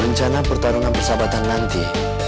rencana pertarungan persahabatan nanti